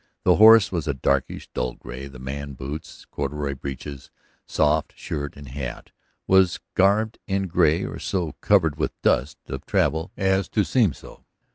The horse was a darkish, dull gray; the man, boots, corduroy breeches, soft shirt, and hat, was garbed in gray or so covered with the dust of travel as to seem so.